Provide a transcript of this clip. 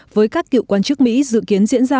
với các cựu quan chức mỹ dự kiến diễn ra